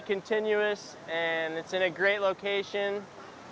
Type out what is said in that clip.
sangat berjalan dan berada di lokasi yang bagus